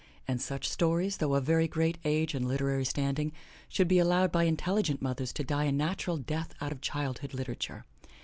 And such stories, though of very great age and literary standing, should be allowed by intelligent mothers to die a natural death out of childhood literature.